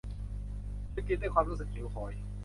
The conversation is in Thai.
เธอกินด้วยความรู้สึกหิวโหย